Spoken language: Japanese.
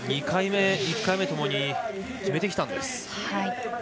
２回目、１回目ともに決めてきたんです。